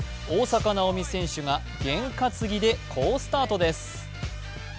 大坂なおみ選手が験担ぎで好スタートです。